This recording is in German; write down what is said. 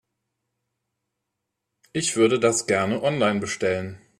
Ich würde das gerne online bestellen.